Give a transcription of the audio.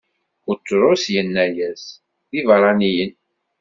Buṭrus inna-as: D ibeṛṛaniyen.